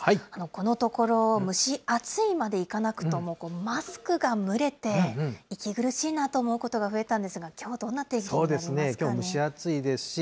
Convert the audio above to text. このところ、蒸し暑いまでいかなくとも、マスクが蒸れて、息苦しいなと思うことが増えたんですが、きょうはどんな天気になりますかね。